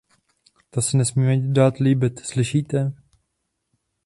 To se nesmíte dát líbit, slyšíte?